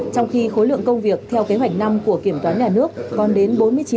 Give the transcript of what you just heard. trong khi khối lượng công việc theo kế hoạch năm của kiểm toán nhà nước còn đến bốn mươi chín